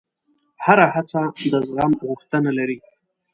هره هڅه د زغم غوښتنه لري.